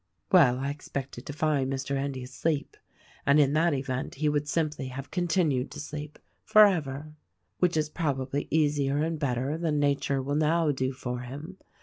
"Well, I expected to find Mr. Endy asleep, and in that event he would simply have continued to sleep — forever; which is probably easier and better than nature will now do for him.